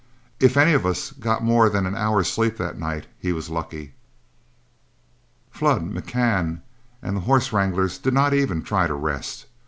If any of us got more than an hour's sleep that night, he was lucky. Flood, McCann, and the horse wranglers did not even try to rest.